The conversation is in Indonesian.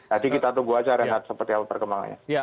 nanti kita tunggu aja rehat seperti hal berkembangannya